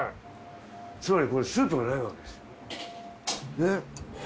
つまりこれスープがないわけですよ。